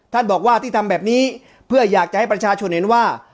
ท่านบอกว่าที่ทำแบบนี้เพื่ออยากจะให้ประชาชนเห็นว่า